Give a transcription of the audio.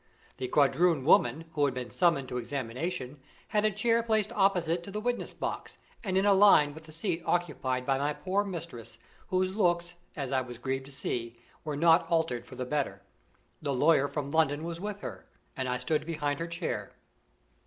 The quadroon woman, who had been summoned to the examination, had a chair placed opposite to the witness box, and in a line with the seat occupied by my poor mistress, whose looks, as I was grieved to see, were not altered for the better. The lawyer from London was with her, and I stood behind her chair.